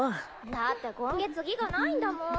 だって今月ギガないんだもん！